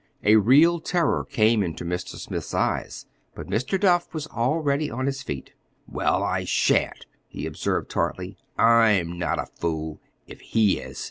A real terror came into Mr. Smith's eyes, but Mr. Duff was already on his feet. "Well, I shan't," he observed tartly. "I'M not a fool, if he is.